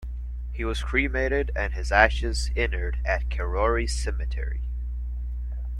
He was cremated and his ashes inurned at Karori Cemetery.